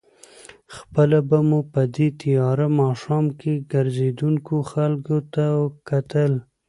خپله به مو په دې تېاره ماښام کې ګرځېدونکو خلکو ته کتل.